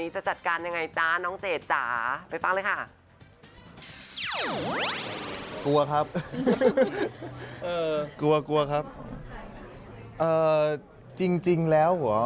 จริงแล้วเหรอ